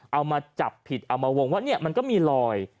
เอามาจับผิดเอามาวงว่าเนี่ยมันก็มีรอย